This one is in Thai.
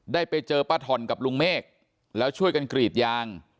ได้ไปเจอป้าถ่อนกับลุงเมฆแล้วช่วยกันกรีดยาง